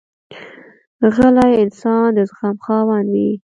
غلی انسان، د زغم خاوند وي.